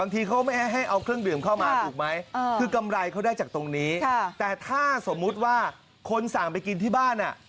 แต่ถ้าสมมุติว่าคนสั่งไปกินที่บ้าน